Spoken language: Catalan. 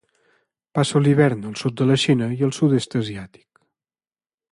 Passa l'hivern al sud de la Xina i el Sud-est Asiàtic.